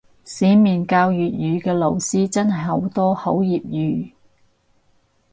市面教粵語嘅老師真係好多好業餘